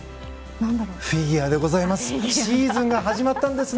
フィギュアでございます。